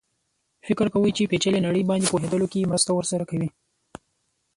فکر کوي چې پېچلې نړۍ باندې پوهېدلو کې مرسته ورسره کوي.